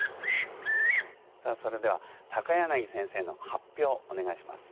さあそれでは柳先生の発表お願いします。